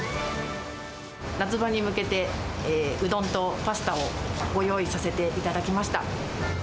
夏場に向けて、うどんとパスタをご用意させていただきました。